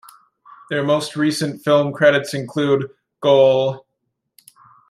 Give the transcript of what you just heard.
Their most recent film credits include Goal!